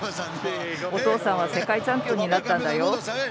お父さんは世界チャンピオンになったんだよ！